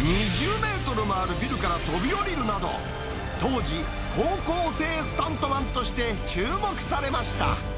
２０メートルもあるビルから飛び降りるなど、当時、高校生スタントマンとして注目されました。